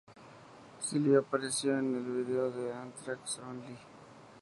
Silva apareció en el vídeo de Anthrax "Only.